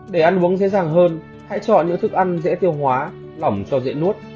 để ăn uống dễ dàng hơn hãy chọn những thức ăn dễ tiêu hóa lỏng cho dễ nuốt